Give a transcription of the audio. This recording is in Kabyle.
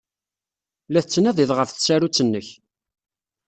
La tettnadiḍ ɣef tsarut-nnek.